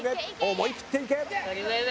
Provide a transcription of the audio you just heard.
思い切っていけ！